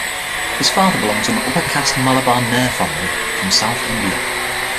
His father belonged to an upper caste Malabar Nair family from South India.